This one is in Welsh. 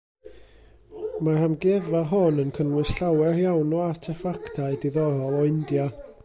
Mae'r amgueddfa hon yn cynnwys llawer iawn o arteffactau diddorol o India.